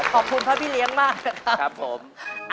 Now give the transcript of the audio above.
ขอบคุณพระพี่เลี้ยงมากนะครับครับครับผม